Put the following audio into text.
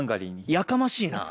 やかましいな。